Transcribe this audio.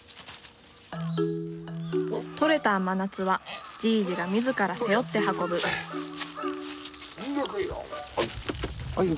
とれた甘夏はじいじが自ら背負って運ぶどっこいしょ。